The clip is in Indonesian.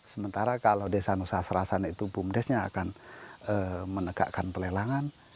sementara kalau desa nusa sarasana itu bumdes nya akan menegakkan pelelangan